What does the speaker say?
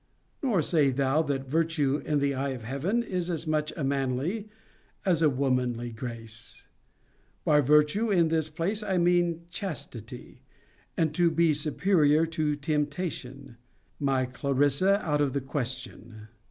Nor say thou, that virtue, in the eye of Heaven, is as much a manly as a womanly grace. By virtue in this place I mean chastity, and to be superior to temptation; my Clarissa out of the question.